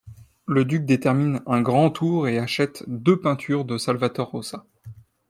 Le duc termine un Grand Tour et achète deux peintures de Salvator Rosa.